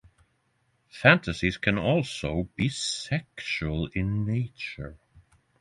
Fantasies can also be sexual in nature.